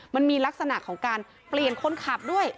มันมีลักษณะของการเปลี่ยนคนขับด้วย